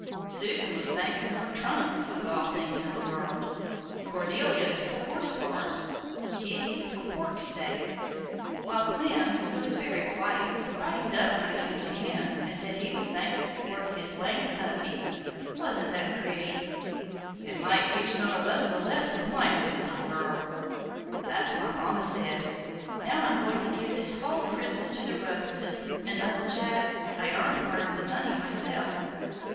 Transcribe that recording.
Susan was thankful for 'TRUNKS,' of all things in the world; Cornelius, for 'horse cars;' Kitty, for 'pork steak;' while Clem, who is very quiet, brightened up when I came to him, and said he was thankful for 'HIS LAME PUPPY.' Wasn't that pretty?" "It might teach some of us a lesson, mightn't it, little girl?" "That's what Mama said. Now I'm going to give this whole Christmas to the Ruggleses; and, Uncle Jack, I earned part of the money myself."